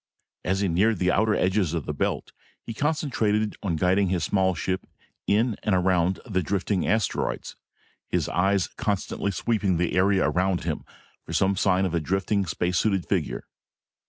As he neared the outer edges of the belt, he concentrated on guiding his small ship in and around the drifting asteroids, his eyes constantly sweeping the area around him for some sign of a drifting space suited figure.